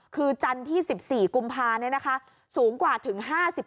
คือจันทร์ที่๑๔กุมภาสูงกว่าถึง๕๐